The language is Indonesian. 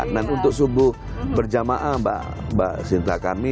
untuk subuh berjamaah mbak sinta kami